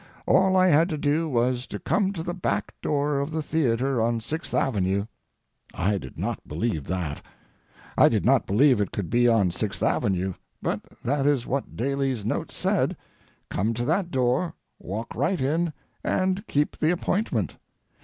All I had to do was to come to the back door of the theatre on Sixth Avenue. I did not believe that; I did not believe it could be on Sixth Avenue, but that is what Daly's note said—come to that door, walk right in, and keep the appointment.